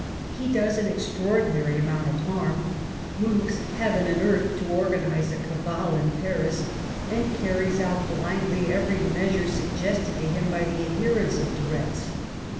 He does an extraordinary amount of harm ; moves heaven and earth to organise a cabal in Paris ; and carries out blindly every measure suggested to him by the adherents of de Retz."